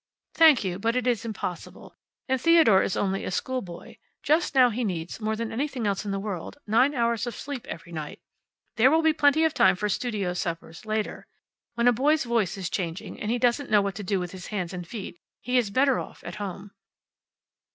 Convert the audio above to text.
"Thank you, but it is impossible. And Theodore is only a schoolboy. Just now he needs, more than anything else in the world, nine hours of sleep every night. There will be plenty of time for studio suppers later. When a boy's voice is changing, and he doesn't know what to do with his hands and feet, he is better off at home."